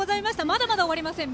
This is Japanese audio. まだまだ終わりません。